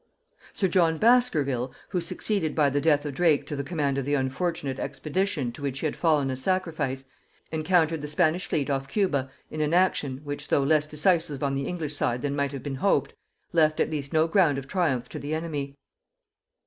Sir John Baskerville, who succeeded by the death of Drake to the command of the unfortunate expedition to which he had fallen a sacrifice, encountered the Spanish fleet off Cuba in an action, which, though less decisive on the English side than might have been hoped, left at least no ground of triumph to the enemy.